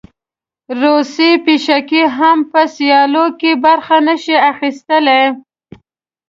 روسۍ پیشکې هم په سیالیو کې برخه نه شي اخیستلی.